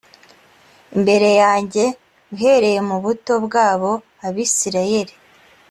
imbere yanjye uhereye mu buto bwabo abisirayeli